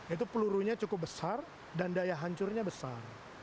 itu pelurunya cukup besar dan daya hancurnya besar